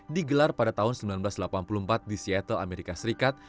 digelar pada tahun seribu sembilan ratus delapan puluh empat di seattle amerika serikat